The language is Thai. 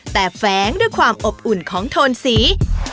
แต่แฟ้งด้วยความอบอุ่นของโทนสี